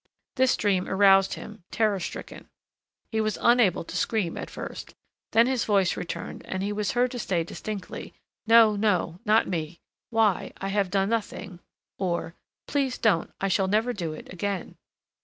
This dream aroused him, terror stricken. He was unable to scream at first; then his voice returned, and he was heard to say distinctly: "No, no, not me; why, I have done nothing," or, "Please don't, I shall never do it again."